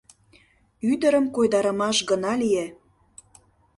Ӱдырым койдарымаш гына лие.